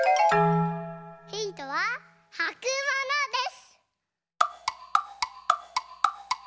ヒントははくものです！